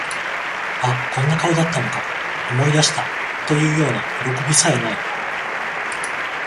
あ、こんな顔だったのか、思い出した、というようなよろこびさえ無い